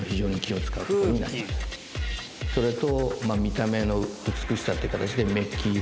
それと。